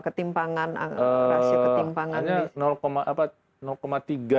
ketimpangan rasio ketimpangan